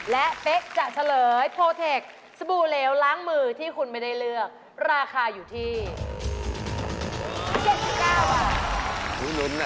และเป๊กจะเฉลยโพเทคสบู่เหลวล้างมือที่คุณไม่ได้เลือกราคาอยู่ที่๗๙บาท